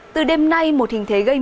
từ đêm nay một hình thế gây mưa